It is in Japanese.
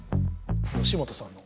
吉本さんの。